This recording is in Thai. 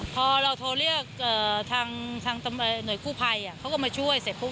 พอเราโทรเรียกทางหน่วยกู้ภัยเขาก็มาช่วยเสร็จปุ๊